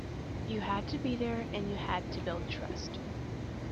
You had to be there and you had to build trust.